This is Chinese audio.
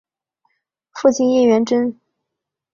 父亲叶原贞。